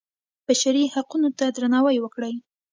بشري حقونو ته درناوی وکړئ